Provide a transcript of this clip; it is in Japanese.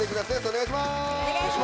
お願いします。